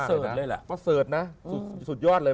เลยแหละประเสริฐนะสุดยอดเลย